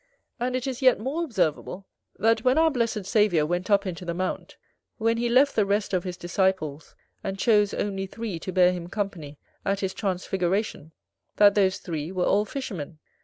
And it is yet more observable, that when our blessed Saviour went up into the mount, when he left the rest of his disciples, and chose only three to bear him company at his Transfiguration, that those three were all fishermen.